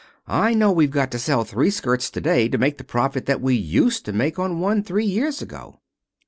I know we've got to sell three skirts to day to make the profit that we used to make on one three years ago."